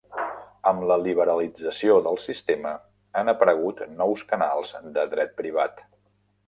Amb la liberalització del sistema, han aparegut nous canals de dret privat.